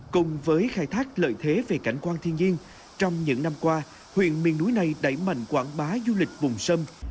cùng với khai thác lợi thế về cảnh quan thiên nhiên trong những năm qua huyện miền núi này đẩy mạnh quảng bá du lịch vùng sâm